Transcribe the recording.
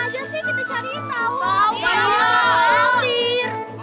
di mana aja sih kita cari tau